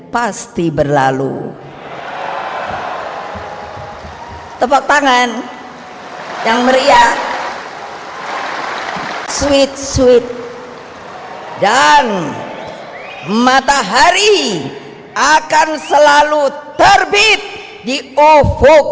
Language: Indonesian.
pasti berlalu tebak tangan yang meriah suit sweet dan matahari akan selalu terbit di off